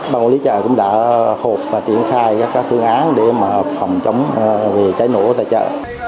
ban quản lý chợ cũng đã hộp và triển khai các phương án để mà phòng chống cháy nổ tại chợ